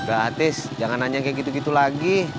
beratis jangan nanya kayak gitu gitu lagi